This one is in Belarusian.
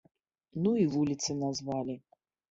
Ну і вуліцы назвалі.